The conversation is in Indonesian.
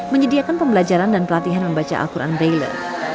menyediakan pembelajaran dan pelatihan membaca al quran braille